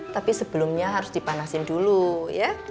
tapi sebelumnya harus dipanasin dulu ya